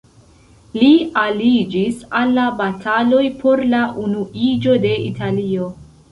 Li aliĝis al la bataloj por la unuiĝo de Italio.